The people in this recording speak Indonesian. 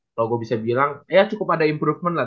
kalau gue bisa bilang ya cukup ada improvement lah